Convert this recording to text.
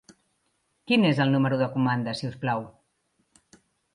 Quin és el número de comanda, si us plau?